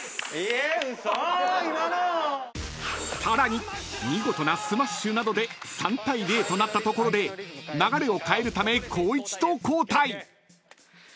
［さらに見事なスマッシュなどで３対０となったところで流れを変えるため］